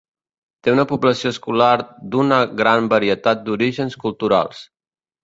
Té una població escolar d'una gran varietat d'orígens culturals.